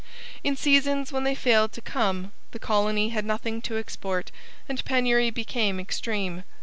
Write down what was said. In seasons when they failed to come, the colony had nothing to export and penury became extreme.